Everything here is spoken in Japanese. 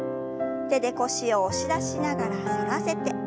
手で腰を押し出しながら反らせて。